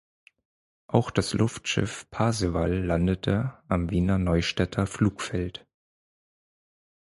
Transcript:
Auch das Luftschiff Parseval landete am Wiener Neustädter Flugfeld.